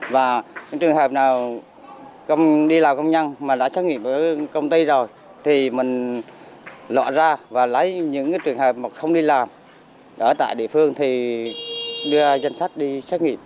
và trường hợp nào đi làm công nhân mà đã xác nghiệm ở công ty rồi thì mình lọ ra và lấy những trường hợp không đi làm ở tại địa phương thì đưa ra danh sách đi xác nghiệm